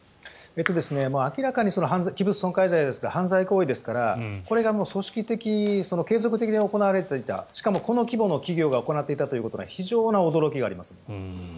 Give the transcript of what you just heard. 明らかに器物損壊罪ですから犯罪行為ですからこれが組織的、継続的に行われていたしかもこの規模の企業が行っていたというのは非常な驚きがあります。